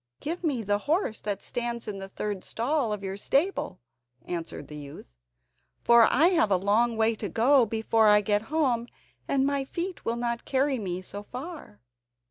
"Give me the horse that stands in the third stall of your stable," answered the youth. "For I have a long way to go before I get home, and my feet will not carry me so far."